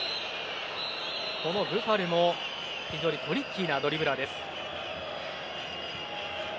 このブファルも非常にトリッキーなドリブラーです。